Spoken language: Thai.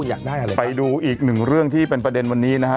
อยากได้อะไรไปดูอีกหนึ่งเรื่องที่เป็นประเด็นวันนี้นะฮะ